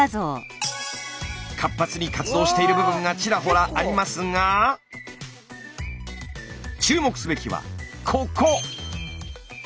活発に活動している部分がちらほらありますが注目すべきはここ！